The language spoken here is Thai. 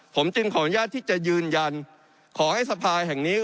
ผมจึงขออนุญาตที่จะยืนยันขอให้สภาแห่งนี้